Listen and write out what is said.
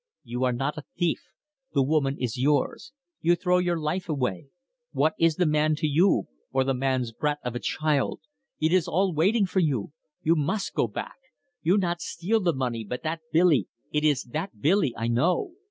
You are not a thief. The woman is yours. You throw your life away. What is the man to you or the man's brat of a child? It is all waiting for you. You mus' go back. You not steal the money, but that Billy it is that Billy, I know.